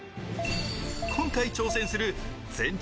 今回挑戦する全長